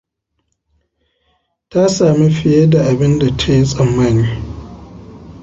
Ta sami fiye da abinda ta yi tsammani.